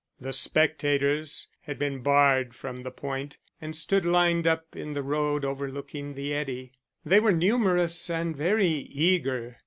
The spectators had been barred from the point and stood lined up in the road overlooking the eddy. They were numerous and very eager.